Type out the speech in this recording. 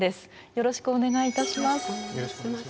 よろしくお願いします。